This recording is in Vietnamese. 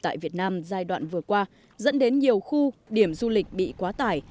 tại việt nam giai đoạn vừa qua dẫn đến nhiều khu điểm du lịch bị quá tải